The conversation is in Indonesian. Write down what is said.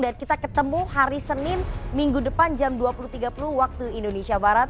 dan kita ketemu hari senin minggu depan jam dua puluh tiga puluh waktu indonesia barat